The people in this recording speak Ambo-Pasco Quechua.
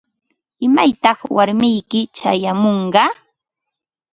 ¿Imaytaq warmiyki chayamunqa?